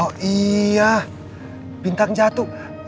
oh iya bintang jatuh